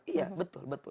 iya betul betul